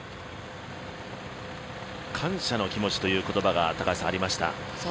感謝の気持ちという言葉がありました。